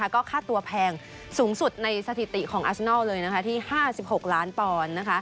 ก็ค่าตัวแพงสูงสุดในสถิติของอัสนอลเลยที่๕๖ล้านปอนด์